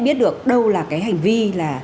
biết được đâu là cái hành vi là